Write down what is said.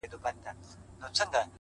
هوډ د نامعلومو لارو جرئت دی